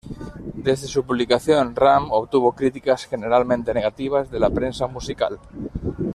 Desde su publicación, "Ram" obtuvo críticas generalmente negativas de la prensa musical.